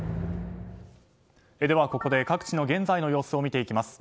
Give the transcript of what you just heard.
ではここで各地の現在の様子を見ていきます。